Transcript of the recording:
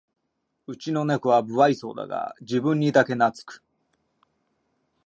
うちのネコは無愛想だが自分にだけなつく